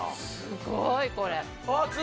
すごいこれ。